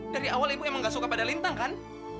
dari awal ibu memang tidak suka pada lintang kan